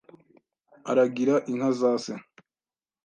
aragira inka za se